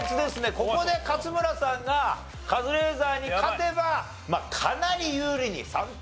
ここで勝村さんがカズレーザーに勝てばかなり有利に３対１。